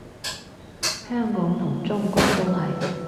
香港同中國都係